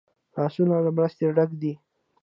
لاسونه له مرستې ډک دي